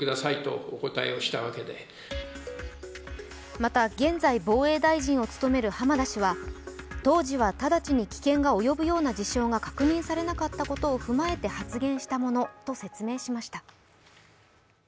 また現在、防衛大臣を務める浜田氏は当時は直ちに危険が及ぶような事象が確認されなかったことを踏まえて発言したものと説明しました。